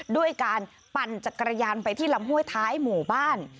ด้วยการปั่นจักรยานไปที่ลำห้วยท้ายหมู่บ้าน